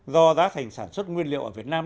do giá thành sản xuất nguyên liệu ở việt nam